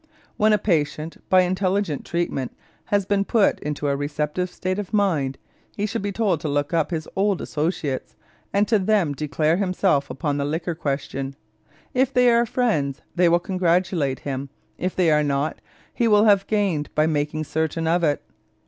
When a patient by intelligent treatment has been put into a receptive state of mind, he should be told to look up his old associates and to them declare himself upon the liquor question. If they are friends, they will congratulate him; if they are not, he will have gained by making certain of it.